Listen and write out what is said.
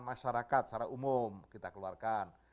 masyarakat secara umum kita keluarkan